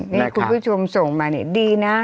นี่คุณผู้ชมส่งมานี่ดีนะ